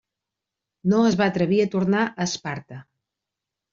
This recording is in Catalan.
No es va atrevir a tornar a Esparta.